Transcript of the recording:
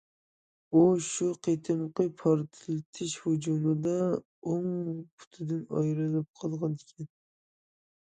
ئۇ شۇ قېتىمقى پارتلىتىش ھۇجۇمىدا ئوڭ پۇتىدىن ئايرىلىپ قالغان ئىكەن.